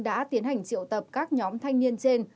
đã tiến hành triệu tập các nhóm thanh niên trên